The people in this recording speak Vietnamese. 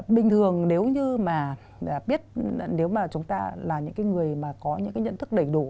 bình thường nếu như mà biết nếu mà chúng ta là những cái người mà có những cái nhận thức đầy đủ